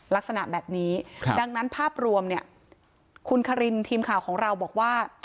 ลักษณะแบบนี้ดังนั้นภาพรวมเนี่ยคุณคารินทีมข่าวของเราบอกว่า